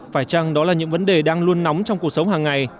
phải chăng đó là những vấn đề đang luôn nóng trong cuộc sống hàng ngày